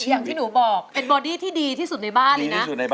อย่างที่หนูบอกเป็นบอดี้ที่ดีที่สุดในบ้านเลยนะ